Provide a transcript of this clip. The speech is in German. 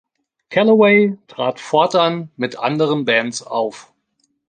Calloway trat fortan mit anderen Bands auf.